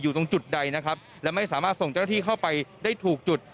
ตรงจุดใดนะครับและไม่สามารถส่งเจ้าหน้าที่เข้าไปได้ถูกจุด